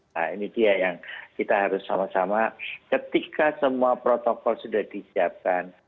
nah ini dia yang kita harus sama sama ketika semua protokol sudah disiapkan